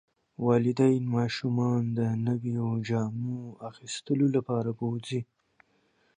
والدین ماشومان د نویو جامو اخیستلو لپاره بوځي.